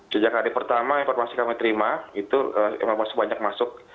sejak hari pertama informasi kami terima itu masih banyak masuk